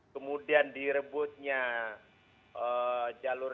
kemudian direbutnya jalur